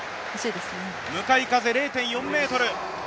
向かい風０．４メートル。